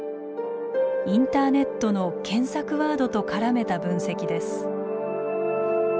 インターネットの検索ワードと絡めた分析です。